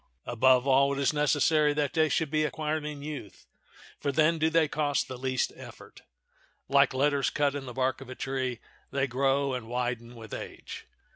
Above all, it is necessary that they should be acquired in youth, for then do they cost the least effort. Like letters cut in the bark of a tree, they grow and widen with age.